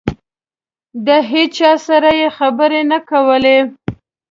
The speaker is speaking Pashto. د هېچا سره یې خبرې نه کولې.